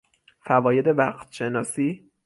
فواید وقتشناسی